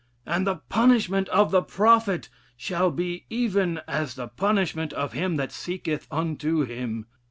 'And the punishment of the prophet shall be even as the punishment of him that seeketh unto him.'